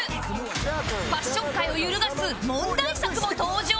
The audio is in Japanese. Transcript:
ファッション界を揺るがす問題作も登場？